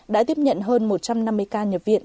đã tiếp nhận hơn một trăm năm mươi ca nhập viện